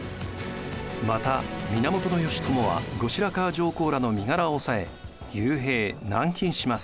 また源義朝は後白河上皇らの身柄を押さえ幽閉・軟禁します。